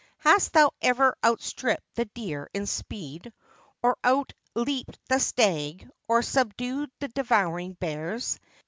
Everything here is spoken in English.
Hast thou ever outstripped the deer in speed, or out leaped the stag, or subdued the devouring bears?